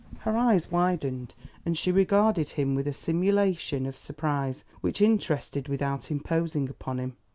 Her eyes widened, and she regarded him with a simulation of surprise which interested without imposing upon him.